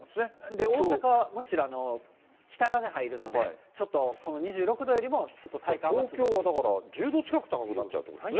で、大阪はむしろ北風入るので、ちょっとこの２６度よりもちょっと体東京はだから、１０度近く高くなっちゃうってことですね。